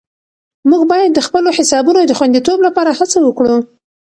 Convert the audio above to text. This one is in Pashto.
موږ باید د خپلو حسابونو د خوندیتوب لپاره هڅه وکړو.